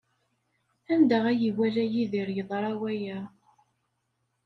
Anda ay iwala Yidir yeḍra waya?